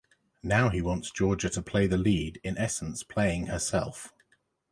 Now he wants Georgia to play the lead, in essence playing herself.